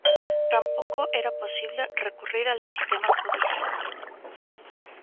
Tampoco era posible recurrir al sistema judicial.